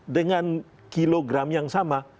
dengan kilogram yang sama